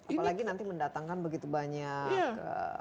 apalagi nanti mendatangkan begitu banyak